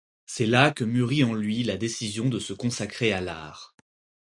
C'est là que mûrit en lui la décision de se consacrer à l'art.